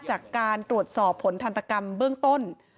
จากการตรวจสอบผลทันตกรรมเบื้องต้น